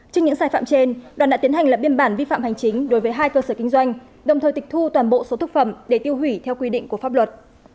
trên những sai phạm trên đoàn đã tiến hành lập biên bản vi phạm hành chính đối với hai cơ sở kinh doanh đồng thời tịch thu toàn bộ số thực phẩm để tiêu hủy theo quy định của pháp luật